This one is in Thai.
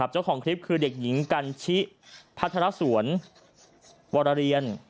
เจ้าของคลิปคือเด็กหญิงกันชิพัทรสวนวรเรียน